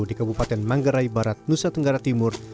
di kabupaten manggarai barat nusa tenggara timur